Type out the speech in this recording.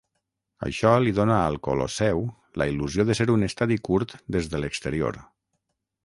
Això li dona al Colosseu la il·lusió de ser un estadi curt des de l'exterior.